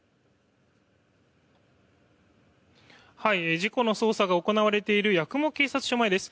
事故の捜査が行われている八雲警察署前です。